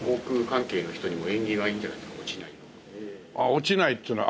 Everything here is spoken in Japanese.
落ちないっていうのは。